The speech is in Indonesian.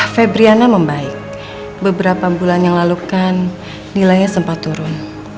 febriana membaik beberapa bulan yang lalukan nilainya sempat turun